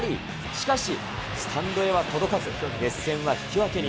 しかし、スタンドへは届かず、熱戦は引き分けに。